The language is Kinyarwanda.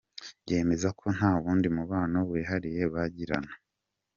Yemeza ko nta wundi mubano wihariye bagirana.